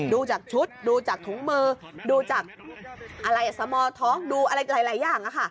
ดูจากชุดดูจากถุงมือดูจากอะไรสมอท้องดูอะไรหลายอย่าง